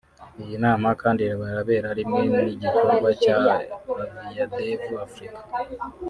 Iyi nama kandi irabera rimwe n’igikorwa cya Aviadev Africa